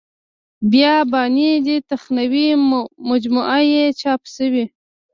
بیاباني دې تخنوي مجموعه یې چاپ شوې.